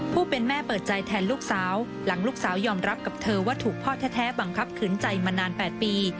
ผู้เป็นแม่เปิดใจแทนลูกสาวหลังลูกสาวยอมรับกับเธอว่าถูกพ่อแท้บังคับขืนใจมานาน๘ปี